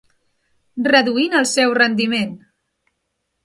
Reduint el seu rendiment.